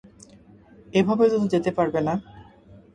এভাবে তো যেতে পারবে না।